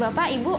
bapak ibu ini